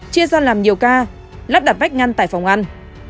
chia ra làm nhiều ca lắp đặt vách ngăn tại phòng ăn